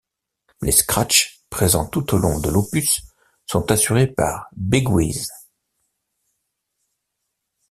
Les scratches présents tout au long de l’opus sont assurés par Big Wizz.